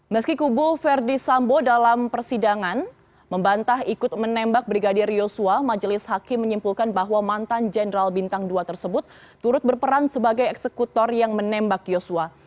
meski kubu verdi sambo dalam persidangan membantah ikut menembak brigadir yosua majelis hakim menyimpulkan bahwa mantan jenderal bintang dua tersebut turut berperan sebagai eksekutor yang menembak yosua